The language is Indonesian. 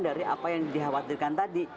dari apa yang dikhawatirkan tadi